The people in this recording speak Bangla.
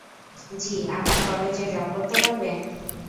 জি, আমায় কলেজে ড্রপ করতে পারবেন?